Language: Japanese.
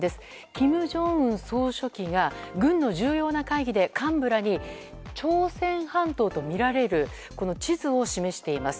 金正恩総書記が軍の重要な会議で幹部らに朝鮮半島とみられる地図を示しています。